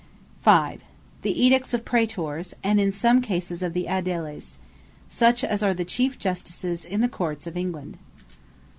5. The Edicts Of Praetors, and (in some Cases) of the Aediles: such as are the Chiefe Justices in the Courts of England.